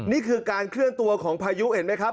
นี่คือการเคลื่อนตัวของพายุเห็นไหมครับ